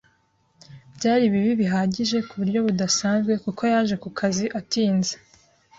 Byari bibi bihagije kuburyo budasanzwe kuko yaje ku kazi atinze.